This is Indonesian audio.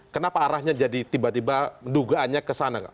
kenapa arahnya jadi tiba tiba dugaannya ke sana